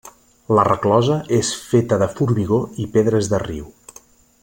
La resclosa és feta de formigó i pedres de riu.